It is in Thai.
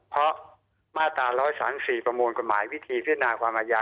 เพราะมาตรา๑๓๔ประมวลกฎหมายวิธีพิจารณาความอาญา